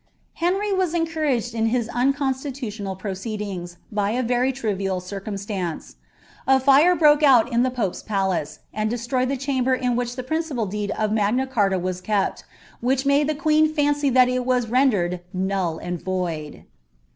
Henry was encoin^cd k his unconstitutional proceedings, by a very trivial circuntslanee, A £n broke out in the pope's palace, and destroyed the chamber la wbillLlkl principal deed of Magna Charta was kept, which made the quocn iuij tliat it was rendered null and void.'